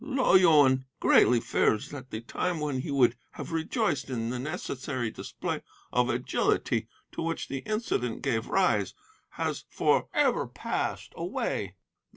Lo Yuen greatly fears that the time when he would have rejoiced in the necessary display of agility to which the incident gave rise has for ever passed away.